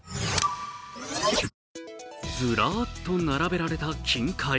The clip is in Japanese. ずらっと並べられた金塊。